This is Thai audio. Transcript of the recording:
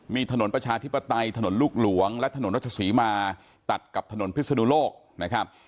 มีถนนประชาธิปไตยถนนลูกหลวงและถนนรัชศรีมาตัดกับถนนพิศนุโลกนะครับ